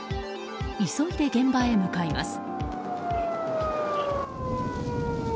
急いで現場へ向かいます。